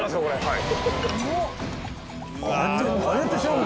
はい！